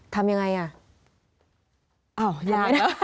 ทำยังไงอ่ะ